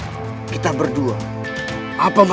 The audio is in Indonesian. aku ga pernah minutra pearson